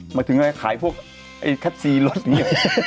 หมายถึงไงขายพวกไอ้คัทซีรถนี่